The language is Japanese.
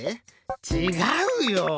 ちがうよ！